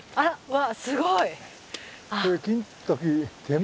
わっすごい！